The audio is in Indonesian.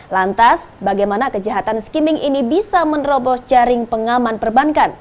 lantas bagaimana kejahatan skimming ini bisa menerobos jaring pengaman perbankan